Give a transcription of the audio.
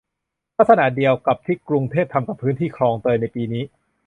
ลักษณะเดียวกับที่กรุงเทพทำกับพื้นที่คลองเตยในปีนี้